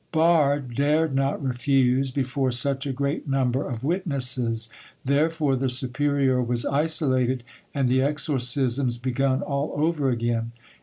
Barre dared not refuse before such a great number of witnesses, therefore the superior was isolated and the exorcisms begun all over again.